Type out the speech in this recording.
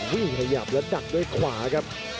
ขยับแล้วดักด้วยขวาครับ